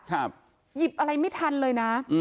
หยิบอะไรไม่ทันเลยนะ